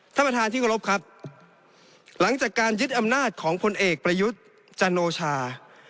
ท่านประธานที่กรบครับหลังจากการยึดอำนาจของพลเอกประยุทธ์จันโอชา